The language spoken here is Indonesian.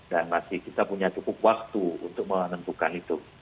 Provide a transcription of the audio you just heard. dan masih kita punya cukup waktu untuk menentukan itu